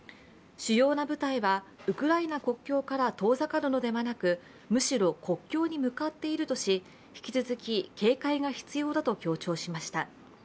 主要な部隊はウクライナ国境から遠ざかるのではなく、むしろ国境に向かっているとし、引き続き警戒が必要だと強調しました。